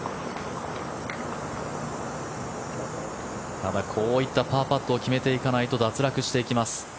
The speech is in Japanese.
ただ、こういったパーパットを決めていかないと脱落していきます。